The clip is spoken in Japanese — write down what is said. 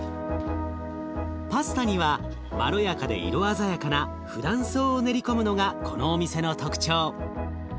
パスタにはまろやかで色鮮やかなフダンソウを練り込むのがこのお店の特徴。